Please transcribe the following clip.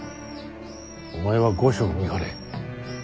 お前は御所を見張れ。